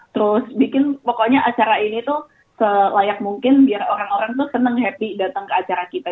terus bikin pokoknya acara ini tuh selayak mungkin biar orang orang tuh seneng happy datang ke acara kita